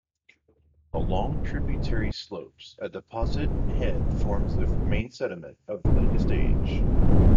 Along tributary slopes, a deposit, head, forms the main sediment of latest age.